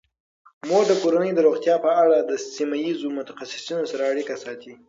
مور د کورنۍ د روغتیا په اړه د سیمه ایزو متخصصینو سره اړیکه ساتي.